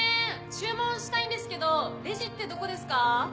注文したいんですけどレジってどこですか？